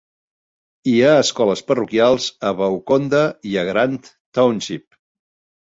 Hi ha escoles parroquials a Wauconda i a Grant Township.